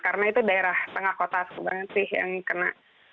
karena itu daerah tengah kota sebenarnya sih yang kena